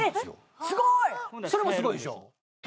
すごーいそれもすごいでしょ